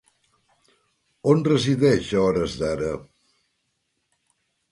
On resideix, a hores d'ara?